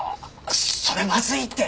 それまずいって！